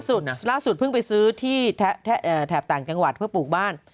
ล่าสุดเพิ่งไปซื้อที่แถบต่างจังหวัดเพื่อปลูกบ้าน